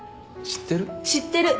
知ってる。